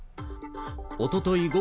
おととい